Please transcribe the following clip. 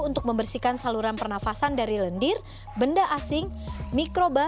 untuk membersihkan saluran pernafasan dari lendir benda asing mikroba